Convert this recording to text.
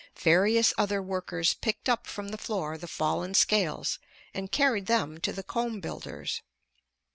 Various other workers picked up from the floor the fallen scales and carried them to the comb builders.